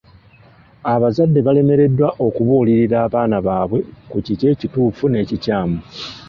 Abazadde balemeddwa okubuulirira abaana baabwe ku kiki ekituufu n'ekikyamu.